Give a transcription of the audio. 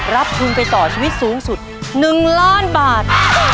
รับทุนไปต่อชีวิตสูงสุด๑ล้านบาท